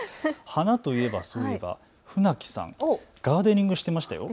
花といえば、船木さん、ガーデニングしてましたよ。